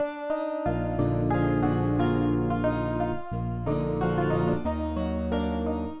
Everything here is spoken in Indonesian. belum ada kau